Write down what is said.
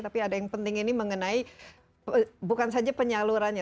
tapi ada yang penting ini mengenai bukan saja penyalurannya